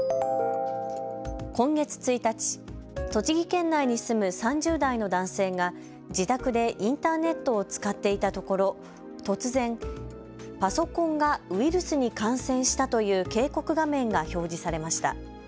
今月１日、栃木県内に住む３０代の男性が自宅でインターネットを使っていたところ、突然、パソコンがウイルスに感染したという警告画面が表示されました。